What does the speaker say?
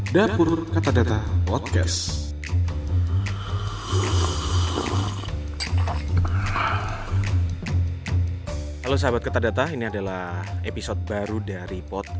dapur kata data podcast